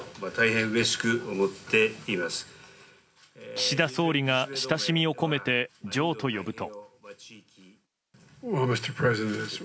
岸田総理が親しみを込めてジョーと呼ぶと。